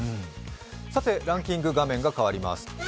さてランキング、画面が変わります